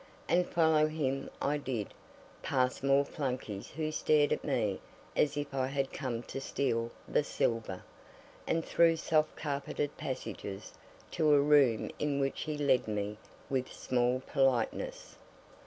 And follow him I did, past more flunkeys who stared at me as if I had come to steal the silver, and through soft carpeted passages, to a room into which he led me with small politeness.